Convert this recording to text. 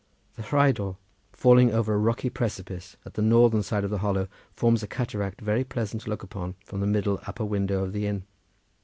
The Rheidol falling over a rocky precipice at the northern side of the hollow forms a cataract very pleasant to look upon from the middle upper window of the inn.